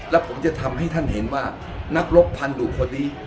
แล้วผมจะทำให้ท่านเห็นว่านักรบพันธุคนนี้